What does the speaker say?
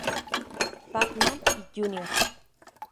Pac-Man" y "Jr.